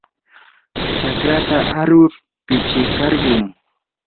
chakrata arur pishikarquu.